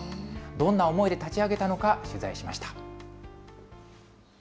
どんな思いで立ち上げたのか、取材しました。